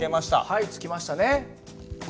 はい付きましたね。